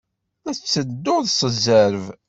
La tettedduḍ s zzerb.